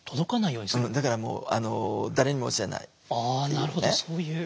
なるほどそういう。